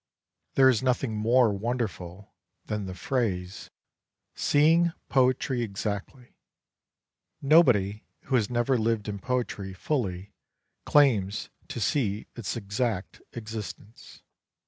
There is nothing more wonderful than the phrase " Seeing poetry exactly ;" nobody who has never lived in poetry fully, claims to see its exact existence.